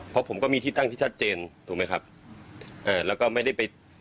เพราะผมก็มีที่ตั้งที่ชัดเจนถูกไหมครับอ่าแล้วก็ไม่ได้ไป